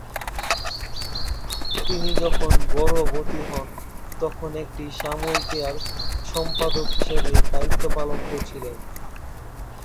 তিনি যখন গর্ভবতী হন, তখন একটি সাময়িকীর সম্পাদক হিসেবে দায়িত্ব পালন করছিলেন।